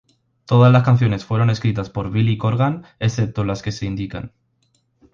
Todas las canciones fueron escritas por Billy Corgan, excepto las que se indican.